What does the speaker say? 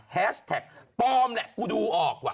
แฮชแท็กปลอมแหละกูดูออกว่